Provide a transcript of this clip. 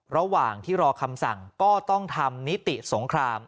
ระหว่างที่รอคำสั่งก็ต้องทำนิติสงคราม